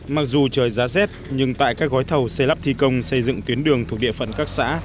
mặc dù trời giá rét nhưng tại các gói thầu xây lắp thi công xây dựng tuyến đường thuộc địa phận các xã